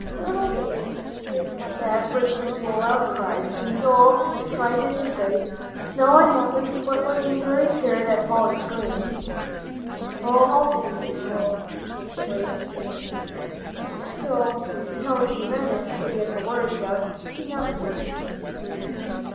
Little David, at that, burst into a loud cry, and Joel tried to say, "No, I haven't," but looking very scared at Polly's scream. "Oh, I'll fix it, Joe," she exclaimed in haste, though how she managed to get the words out she never knew.